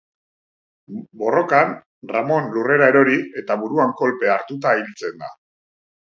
Borrokan, Ramon lurrera erori eta buruan kolpea hartuta hiltzen da.